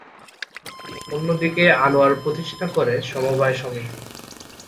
অন্যদিকে আনোয়ার প্রতিষ্ঠা করে সমবায় সমিতি।